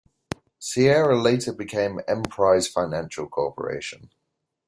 Sierra later became Emprise Financial Corporation.